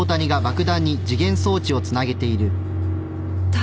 誰？